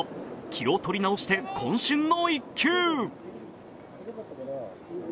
気を取り直してこん身の一球。